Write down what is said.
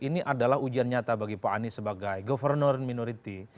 ini adalah ujian nyata bagi pak anies sebagai governor minority